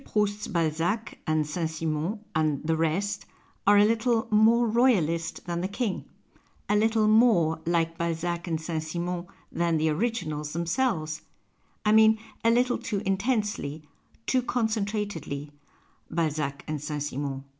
Proust's Balzac and St. Simon and the rest are a little " more Royalist than the King," a little more like Balzac and St. Simon than the originals themselves ; I mean, a little too intensely, too concentratedly, Balzac and St. Simon.